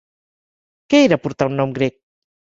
Què era portar un nom grec?